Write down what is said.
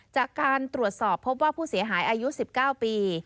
จากการตรวจสอบพบว่าผู้เสียหายอายุ๑๙ปี